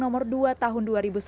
nomor dua tahun dua ribu sebelas